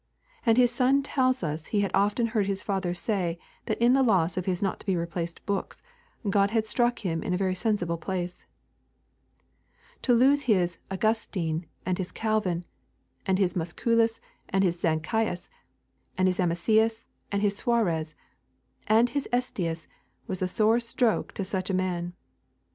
And his son tells us he had often heard his father say that in the loss of his not to be replaced books, God had struck him in a very sensible place. To lose his Augustine, and his Calvin, and his Musculus, and his Zanchius, and his Amesius, and his Suarez, and his Estius was a sore stroke to such a man.